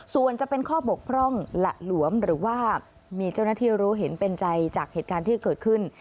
ส่วนจะเป็นข้อบกพร่องหละหลวมหรือว่ามีเจ้าหน้าที่รู้เห็นเป็นใจจากเหตุการณ์ที่เกิดขึ้น